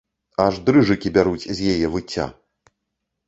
Аж дрыжыкі бяруць з яе выцця!